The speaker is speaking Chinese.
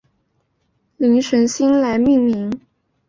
灵神星来命名。